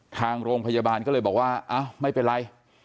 ทางโรงพยาบาลก็เลยบอกว่าอ้าวไม่เป็นไร